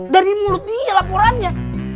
dari mulut dia laporannya